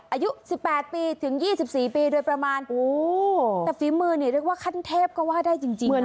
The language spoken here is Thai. อายุ๑๘ปีถึง๒๔ปีโดยประมาณแต่ฝีมือนี่เรียกว่าขั้นเทพก็ว่าได้จริงนะ